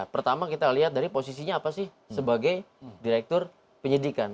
pertama kita lihat dari posisinya apa sih sebagai direktur penyidikan